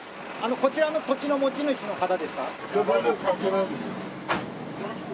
こちらの土地の持ち主の方ですか？